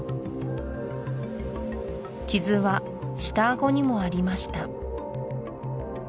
傷は下あごにもありました